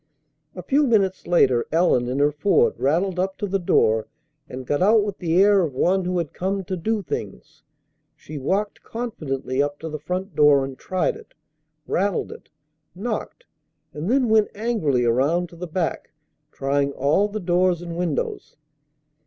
A few minutes later Ellen in her Ford rattled up to the door and got out with the air of one who had come to do things. She walked confidently up to the front door and tried it, rattled it, knocked, and then went angrily around to the back, trying all the doors and windows.